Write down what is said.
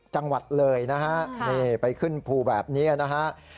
จังหวัดเลยนะฮะนี่ไปขึ้นภูแบบนี้นะฮะ